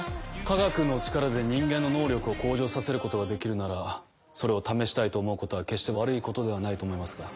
科学の力で人間の能力を向上させることができるならそれを試したいと思うことは決して悪いことではないと思いますが。